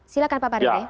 silahkan pak pak rd d